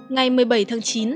ngày một mươi bảy tháng chín